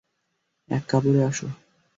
এক কাপড়ে আসো।